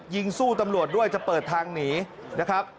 ยิงสู้ตำรวจด้วยจะเปิดทางหนีนะครับ